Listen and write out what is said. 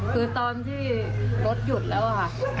คือตอนที่รถหยุดแล้วค่ะ